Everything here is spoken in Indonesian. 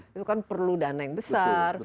itu kan perlu dana yang besar